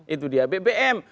itu dia bbm